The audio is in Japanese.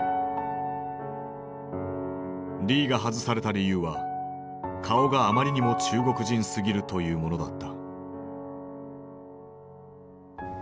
リーが外された理由は「顔があまりにも中国人すぎる」というものだった。